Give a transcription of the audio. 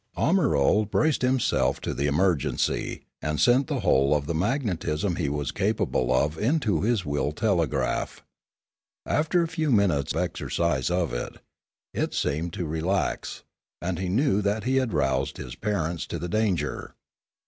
Omirlo braced himself to the emergency, and sent the whole of the magnetism he was capable of into his will telegraph. After a few minutes' exercise of it, it 348 Limanora seemed to relax, and he knew that he had roused his parents to the danger.